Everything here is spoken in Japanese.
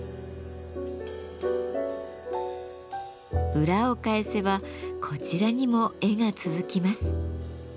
裏を返せばこちらにも絵が続きます。